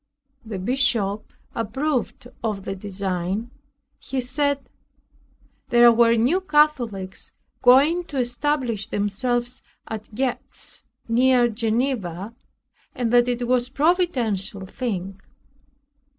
The bishop approved of the design. He said, "there were New Catholics going to establish themselves at Gex, near Geneva, and that it was a providential thing."